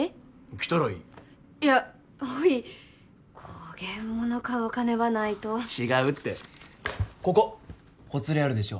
着たらいいいやおいこげんもの買うお金はないと違うってここほつれあるでしょ